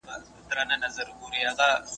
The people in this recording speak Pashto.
غوره اخلاق تر ټولو لوی عبادت دی.